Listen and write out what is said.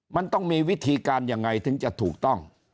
มันต้องมีวิธีการยังไงถึงจะถูกต้อง